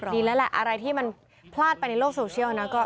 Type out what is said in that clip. ดีแล้วแหละอะไรที่มันพลาดไปในโลกโซเชียลนะ